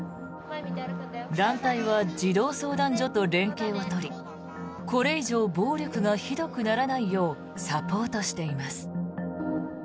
団体は児童相談所と連携を取りこれ以上暴力がひどくならないようサポートしています。